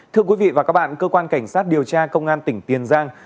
thưa quý vị và các bạn cơ quan cảnh sát điều tra công an tỉnh tiền giang